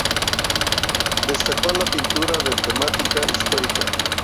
Destacó en la pintura de temática histórica.